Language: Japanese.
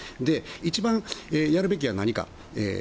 一番やるべきは何か。